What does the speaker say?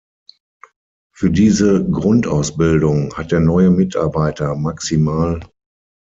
Für diese "Grundausbildung" hat der neue Mitarbeiter max.